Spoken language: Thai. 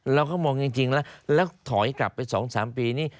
แล้วก็มองจริงแล้วถอยกลับไป๒๓ปีนี้